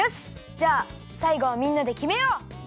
じゃあさいごはみんなできめよう！